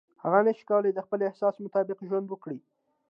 هغه نشي کولای د خپل احساس مطابق ژوند وکړي.